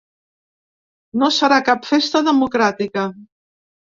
No serà cap festa democràtica.